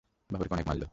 বাবকে অনেক মারলো।